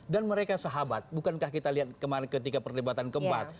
dan mereka sahabat bukankah kita lihat ketika perlibatan keempat